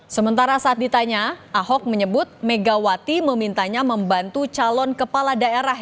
sementara saat ditanya ahok menyebut megawati memintanya membantu calon kepala daerah